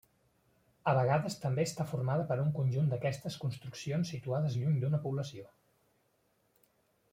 A vegades també està formada per un conjunt d'aquestes construccions situades lluny d'una població.